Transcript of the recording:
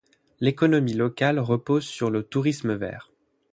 L'économie locale repose sur le tourisme vert.